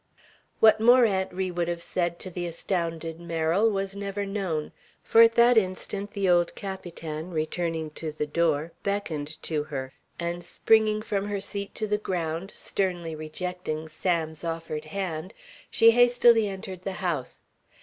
What more Aunt Ri would have said to the astounded Merrill was never known, for at that instant the old Capitan, returning to the door, beckoned to her; and springing from her seat to the ground, sternly rejecting Sam's offered hand, she hastily entered the house.